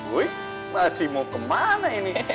gue masih mau kemana ini